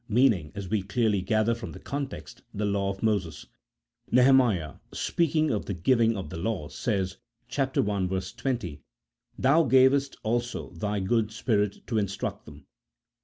meaning, as we clearly gather from the context, the law of Moses. Nehe miah, speaking of the giving of the law, says, i. 20, " Thou gavest also thy good Spirit to instruct them."